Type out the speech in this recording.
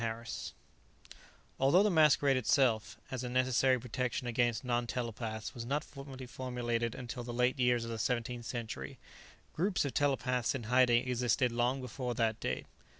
Harris _Although the Masquerade itself, as a necessary protection against non telepaths, was not fully formulated until the late years of the Seventeenth Century, groups of telepaths in hiding existed long before that date.